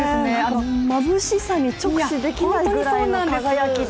まぶしさに直視できないぐらいの輝きで。